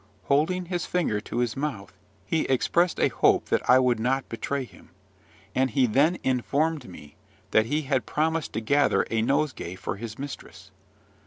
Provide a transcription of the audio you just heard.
Holding his finger to his mouth, he expressed a hope that I would not betray him; and he then informed me that he had promised to gather a nosegay for his mistress.